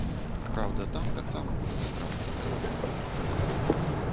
Праўда, там таксама будуць справы, але ўжо новыя.